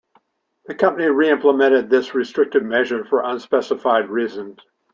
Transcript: The company re-implemented this restrictive measure for unspecified reasons.